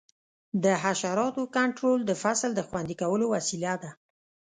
د حشراتو کنټرول د فصل د خوندي کولو وسیله ده.